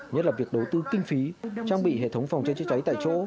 nhất là việc đầu tư kinh phí trang bị hệ thống phòng cháy chữa cháy tại chỗ